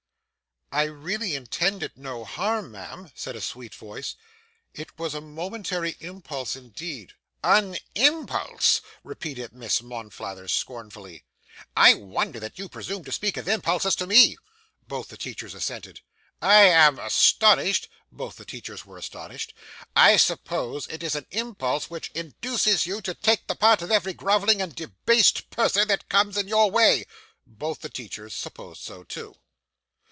'I really intended no harm, ma'am,' said a sweet voice. 'It was a momentary impulse, indeed.' 'An impulse!' repeated Miss Monflathers scornfully. 'I wonder that you presume to speak of impulses to me' both the teachers assented 'I am astonished' both the teachers were astonished 'I suppose it is an impulse which induces you to take the part of every grovelling and debased person that comes in your way' both the teachers supposed so too.